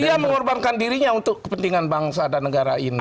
dia mengorbankan dirinya untuk kepentingan bangsa dan negara ini